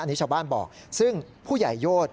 อันนี้ชาวบ้านบอกซึ่งผู้ใหญ่โยชน์